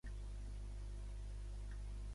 Benvingut sia el gall, encara que sia passat Nadal.